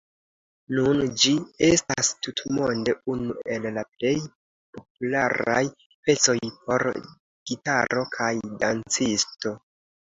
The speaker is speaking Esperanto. Nun ĝi estas tutmonde unu el la plej popularaj pecoj por gitaro kaj dancisto.